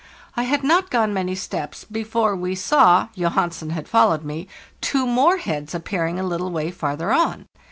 I had not gone many steps before we saw (Johansen had followed me) two more heads appearing a little way farther on.